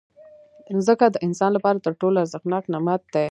مځکه د انسان لپاره تر ټولو ارزښتناک نعمت دی.